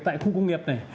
tại khu công nghiệp này